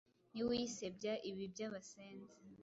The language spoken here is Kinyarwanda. ni we uyisebya ibi by’abasenzi